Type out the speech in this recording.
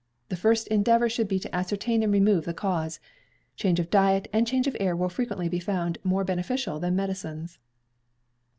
The first endeavour should be to ascertain and remove the cause. Change of diet, and change of air will frequently be found more beneficial than medicines.